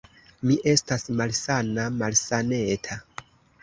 Mi estas malsana, malsaneta.